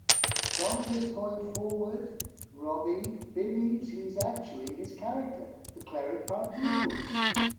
From this point forward, Robbie believes he is actually his character, the cleric Pardieu.